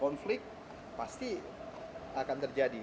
konflik pasti akan terjadi